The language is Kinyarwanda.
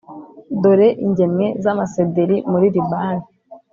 dore ingemwe z’amasederi muri Libani,